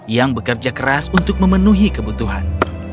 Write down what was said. yang bekerja keras untuk memenuhi kebutuhan